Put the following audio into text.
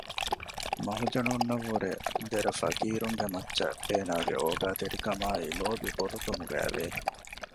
މަހުޖަނުންނަށް ވުރެ ދެރަ ފަކީރުންގެ މައްޗަށް އޭނާގެ އޯގާވެރިކަމާއި ލޯބި ބޮޑު ކަމުގައިވެ